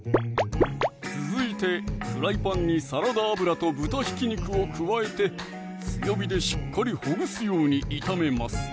続いてフライパンにサラダ油と豚ひき肉を加えて強火でしっかりほぐすように炒めます